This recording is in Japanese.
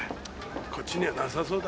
こっちにはなさそうだ。